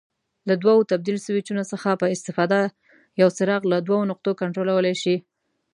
له دوو تبدیل سویچونو څخه په استفاده یو څراغ له دوو نقطو کنټرولولای شي.